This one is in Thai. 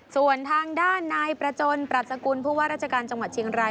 ส่วนทางด้านนายประจนปรัชกุลผู้ว่าราชการจังหวัดเชียงราย